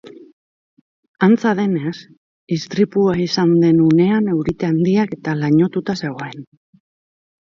Antza denez, istripua izan den unean eurite handiak eta lainotuta zegoen.